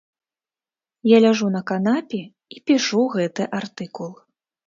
Я ляжу на канапе і пішу гэты артыкул.